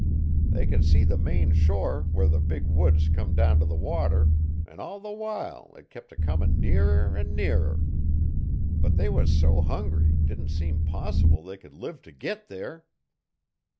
They could see the main shore where the big woods come down t' the water 'n' all the while it kep' a comin' nearer 'n' nearer. But they was so hungry didn't seem possible they could live to git there.